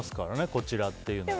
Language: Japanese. こちらっていうのは。